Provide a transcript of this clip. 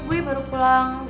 gue baru pulang